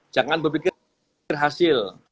jangan berpikir hasil